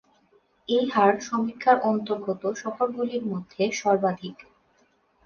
এই হার সমীক্ষার অন্তর্গত শহরগুলির মধ্যে সর্বাধিক।